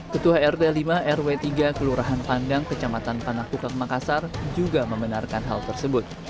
ketua rt lima rw tiga kelurahan pandang kecamatan panakukang makassar juga membenarkan hal tersebut